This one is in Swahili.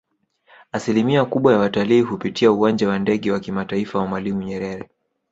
Asilimia kubwa ya watalii hupitia uwanja wa Ndege wa kimataifa wa Mwalimu Nyerere